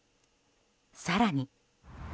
更に。